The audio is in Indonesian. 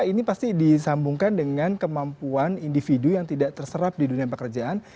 ini pasti disambungkan dengan kemampuan individu yang tidak terserap di dunia pekerjaan